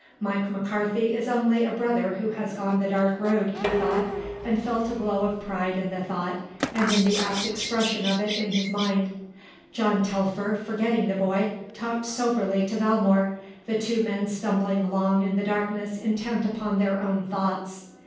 "Mike McCarthy is only a brother who has gone the dark road," he thought and felt a glow of pride in the thought and in the apt expression of it in his mind. John Telfer, forgetting the boy, talked soberly to Valmore, the two men stumbling along in the darkness intent upon their own thoughts.